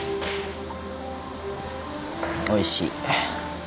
おいしい。